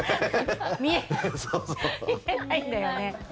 見えないんだよね。